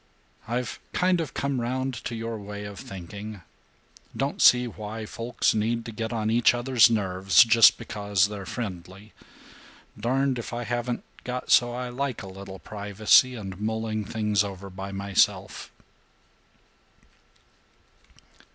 I've kind of come round to your way of thinking. Don't see why folks need to get on each other's nerves just because they're friendly. Darned if I haven't got so I like a little privacy and mulling things over by myself."